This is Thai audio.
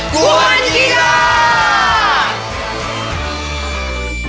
วนกีฬา